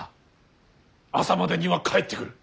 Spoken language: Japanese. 朝までには帰ってくる。